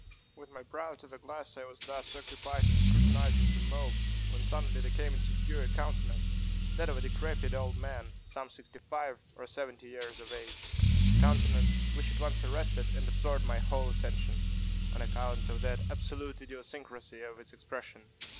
With my brow to the glass, I was thus occupied in scrutinizing the mob, when suddenly there came into view a countenance (that of a decrepid old man, some sixty five or seventy years of age,) a countenance which at once arrested and absorbed my whole attention, on account of the absolute idiosyncrasy of its expression.